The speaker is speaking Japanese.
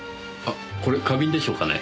これ花瓶でしょうかね？